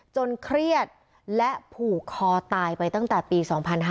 เครียดและผูกคอตายไปตั้งแต่ปี๒๕๕๙